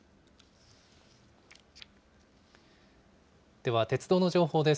では鉄道の情報です。